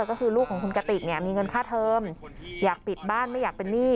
ก็คือลูกของคุณกติกเนี่ยมีเงินค่าเทิมอยากปิดบ้านไม่อยากเป็นหนี้